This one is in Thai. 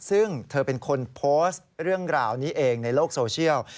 ซึ่งเธอเป็นคนโพสต์เรื่องราวนี้เองในโลกโซเชียล